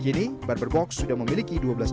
kini barber box sudah memiliki dua belas cabang